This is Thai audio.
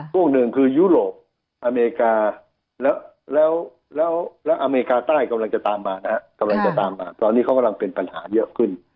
ส่วนหนึ่งคือยุโรปอเมริกาแล้วอเมริกาใต้กำลังจะตามมานะตอนนี้เขากำลังเป็นปัญหาเยอะขึ้น